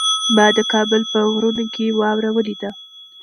ما د کابل په غرونو کې واوره ولیده.